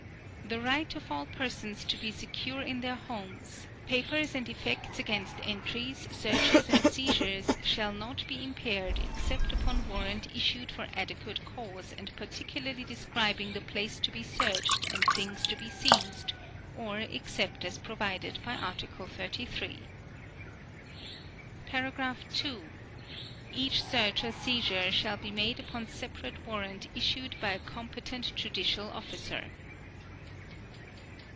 The right of all persons to be secure in their homes, papers and effects against entries, searches and seizures shall not be impaired except upon warrant issued for adequate cause and particularly describing the place to be searched and things to be seized, or except as provided by Article 33. (2) Each search or seizure shall be made upon separate warrant Issued by a competent judicial officer.